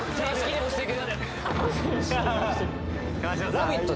ラヴィット！